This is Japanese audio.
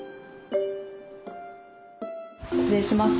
失礼します。